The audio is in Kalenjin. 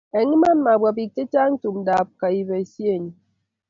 eng' iman mabwa biik che chang' tumdab kaibisienyu